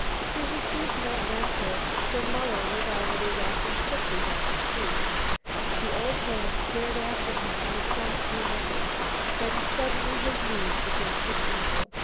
He received no answer, for Muller was already walking quickly down the street. The old man stared after him for some few minutes, then suddenly his knees began to tremble.